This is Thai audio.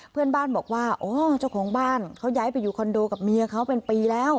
เพื่อนบ้านบอกว่าอ๋อเจ้าของบ้านเขาย้ายไปอยู่คอนโดกับเมียเขาเป็นปีแล้ว